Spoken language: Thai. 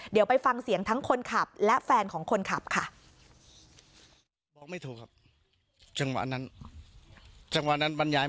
เดี๋ยวไปฟังเสียงทั้งคนขับและแฟนของคนขับค่ะ